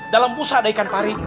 dalam busa ada ikan pari